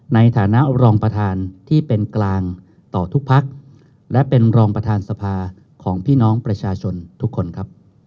ในฐานะรองประธานที่เป็นกลางต่อทุกพักและเป็นรองประธานสภาของพี่น้องประชาชนทุกคนครับ